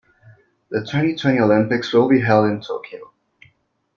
The twenty-twenty Olympics will be held in Tokyo.